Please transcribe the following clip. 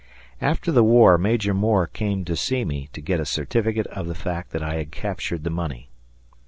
After the war, Major Moore came to see me to get a certificate of the fact that I had captured the money.